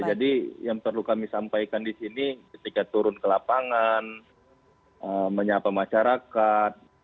jadi yang perlu kami sampaikan di sini ketika turun ke lapangan menyapa masyarakat